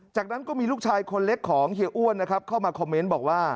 จากนั้นก็มีลูกชายคนเล็กของเฮียอ้วนนะครับเข้ามาคอมเมนต์บอกว่า